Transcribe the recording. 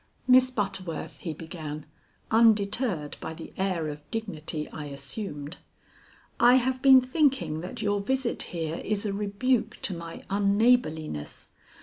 "Miss Butterworth," he began, undeterred by the air of dignity I assumed, "I have been thinking that your visit here is a rebuke to my unneighborliness.